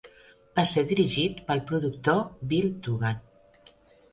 Va ser dirigit pel productor Bill Dugan.